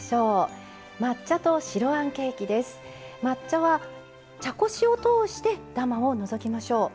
抹茶は茶こしを通してダマを除きましょう。